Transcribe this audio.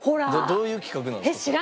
どういう企画なんですか？